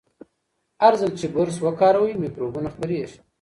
هر ځل چې برس وکاروئ، میکروبونه خپریږي.